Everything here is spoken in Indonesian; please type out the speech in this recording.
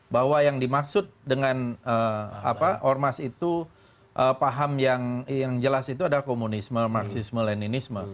bahwa yang dimaksud dengan ormas itu paham yang jelas itu adalah komunisme marxisme leninisme